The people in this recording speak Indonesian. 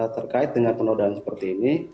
terkait dengan penodaan seperti ini